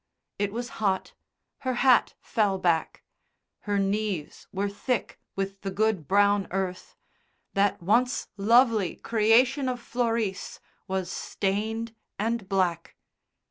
It was hot, her hat fell back, her knees were thick with the good brown earth that once lovely creation of Florice was stained and black.